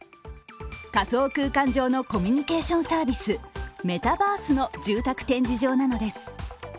仮想空間上のコミュニケーションサービス、メタバースの住宅展示場なのです。